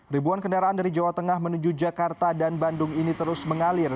ribuan kendaraan dari jawa tengah menuju jakarta dan bandung ini terus mengalir